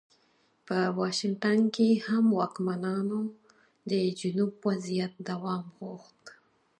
په واشنګټن کې هم واکمنانو د جنوب وضعیت دوام غوښت.